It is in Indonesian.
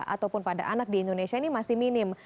ataupun pada anak di indonesia ini masih minim